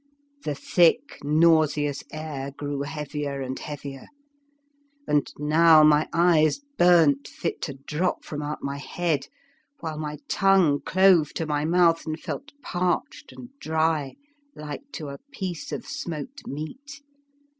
The thick nauseous air grew heavier and heavier, and now my eyes burnt fit to drop from out my head, while my tongue clove to my mouth and felt parched and dry, like to a piece of smoked meat.